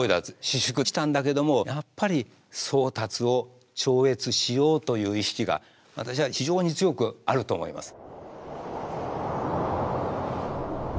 私淑したんだけどもやっぱり宗達を超越しようという意識が私は非常に強くあると思います。